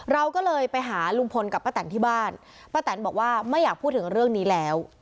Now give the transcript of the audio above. เราก็เลยไปหาลุงพลกับป้าแตนที่บ้านป้าแตนบอกว่าไม่อยากพูดถึงเรื่องนี้แล้ว